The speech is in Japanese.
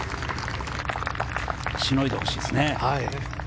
しのいでほしいですね。